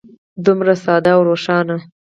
دومره ساده او روښانه.